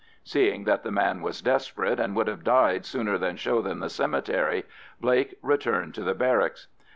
Seeing that the man was desperate and would have died sooner than show them the cemetery, Blake returned to the barracks.